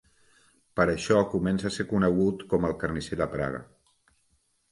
Per això comença a ser conegut com el carnisser de Praga.